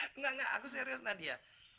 tidak tidak aku serius nadia